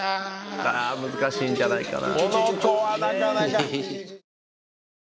あぁ難しいんじゃないかな。